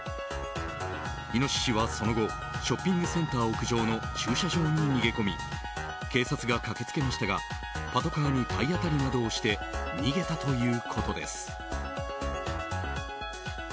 イノシシはその後ショッピングセンター屋上の駐車場に逃げ込み警察が駆けつけましたがパトカーに体当たりなどをして逃げたということです。